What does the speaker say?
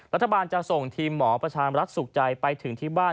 รัฐบาลจะส่งทีมหมอประชามรักสุขใจไปถึงที่บ้าน